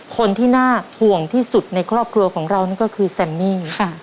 คนที่น่าห่วงที่สุดในครอบครัวของเรานั่นก็คือแซมมี่